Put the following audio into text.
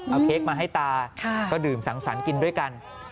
เอาเค้กมาให้ตาก็ดื่มสังสรรค์กินด้วยกัน